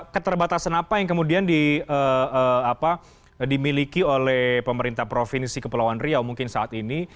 keterbatasan apa yang kemudian dimiliki oleh pemerintah provinsi kepulauan riau mungkin saat ini